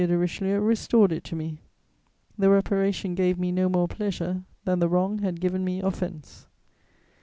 de Richelieu restored it to me; the reparation gave me no more pleasure than the wrong had given me offense.